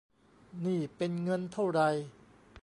นี่เป็นเงินเท่าไหร่